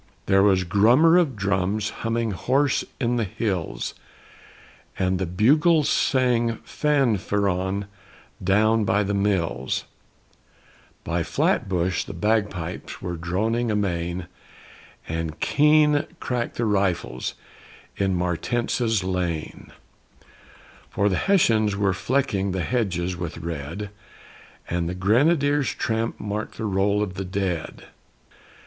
There was grummer of drums humming hoarse in the hills, And the bugles sang fanfaron down by the mills, By Flatbush the bagpipes were droning amain, And keen cracked the rifles in Martense's lane; For the Hessians were flecking the hedges with red, And the Grenadiers' tramp marked the roll of the dead.